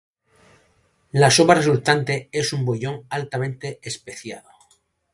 La sopa resultante es un bouillon altamente especiado.